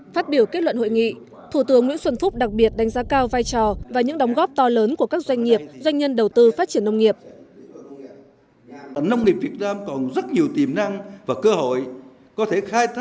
phát biểu kết luận hội nghị thủ tướng nguyễn xuân phúc đặc biệt đánh giá cao vai trò và những đóng góp to lớn của các doanh nghiệp doanh nhân đầu tư phát triển nông nghiệp